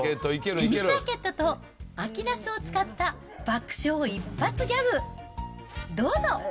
テニスラケットと秋ナスを使った爆笑一発ギャグ、どうぞ。